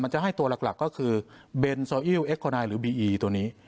จะให้ตัวหลักก็คือเบนโซอิลเอ็กโคนายหรือบีอีตัวนี้